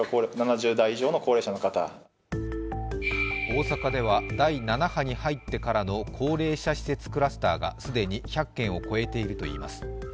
大阪では第７波に入ってからの高齢者施設クラスターが既に１００件を超えているといいます